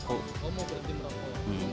oh mau berhenti merokok